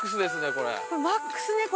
これ。